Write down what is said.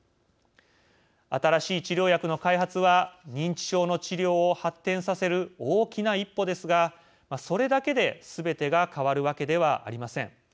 新しい治療薬の開発は認知症の治療を発展させる大きな一歩ですがそれだけですべてが変わるわけではありません。